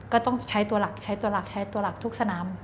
ก็ต้องใช้ตัวหลักใช้ตัวหลักใช้ตัวหลักทุกสนาม